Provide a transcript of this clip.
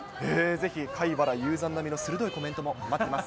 ぜひ、かいばらゆうざん並みの鋭いコメントも待っています。